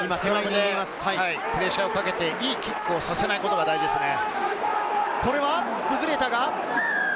プレッシャーをかけていいキックをさせないことが大事ですね。